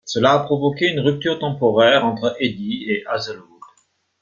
Cela a provoqué une rupture temporaire entre Eddy et Hazlewood.